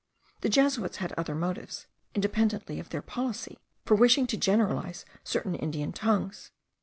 The Jesuits had other motives, independently of their policy, for wishing to generalize certain Indian tongues.